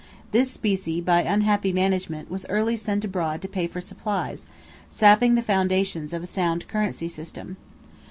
This specie by unhappy management was early sent abroad to pay for supplies, sapping the foundations of a sound currency system.